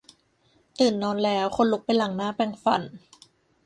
ตื่นนอนแล้ว ควรลุกไปล้างหน้าแปรงฟัน